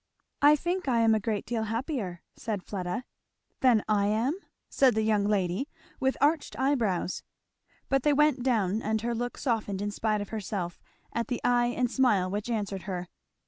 "I think I am a great deal happier," said Fleda. "Than I am?" said the young lady, with arched eyebrows. But they went down and her look softened in spite of herself at the eye and smile which answered her.